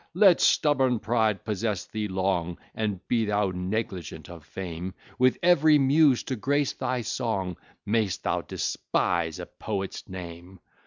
"Let stubborn pride possess thee long, And be thou negligent of fame; With ev'ry Muse to grace thy song, May'st thou despise a poet's name!